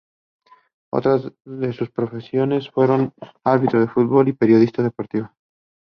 Otras de sus profesiones fueron Árbitro de Fútbol y Periodismo deportivo.